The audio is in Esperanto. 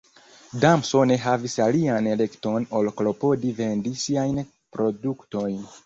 Damso ne havis alian elekton ol klopodi vendi siajn produktojn.